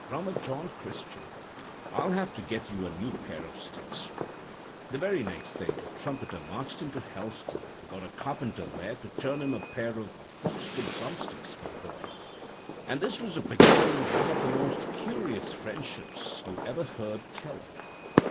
Drummer John Christian, I'll have to get you a new pair of sticks.' "The very next day the trumpeter marched into Helston, and got a carpenter there to turn him a pair of box wood drumsticks for the boy. And this was the beginning of one of the most curious friendships you ever heard tell of.